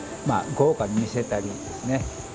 まあ豪華に見せたりですね。